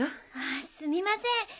あすみません。